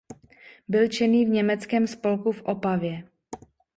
Byl činný v Německém spolku v Opavě.